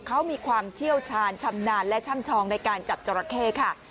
เขามีความเชี่ยวชาญชำนาญและช่ำชองในการจับจราเข้ค่ะ